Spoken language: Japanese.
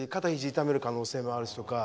痛める可能性があってとか。